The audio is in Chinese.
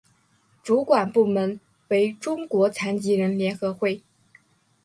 主管部门为中国残疾人联合会。